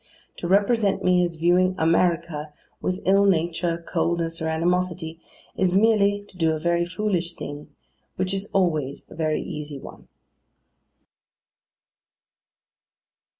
To represent me as viewing AMERICA with ill nature, coldness, or animosity, is merely to do a very foolish thing: which is always a very easy one.